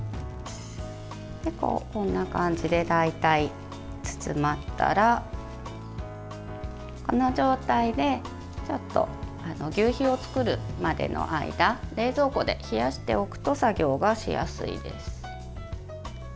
こんな感じで大体包まったらこの状態で求肥を作るまでの間冷蔵庫で冷やしておくと作業がしやすいです。